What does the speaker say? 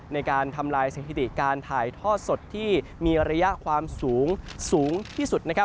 ในการทำลายสถิติการถ่ายทอดสดที่มีระยะความสูงสูงที่สุด